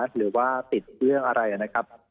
หรือว่าติดเรื่องอะไรนะครับ